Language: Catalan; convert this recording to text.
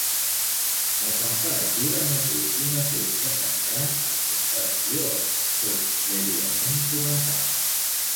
La temperatura no té un efecte tan gran en comparació als factors prèviament comentats.